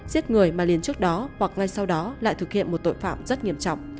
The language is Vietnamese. giết người mà liền trước đó hoặc ngay sau đó lại thực hiện một tội phạm rất nghiêm trọng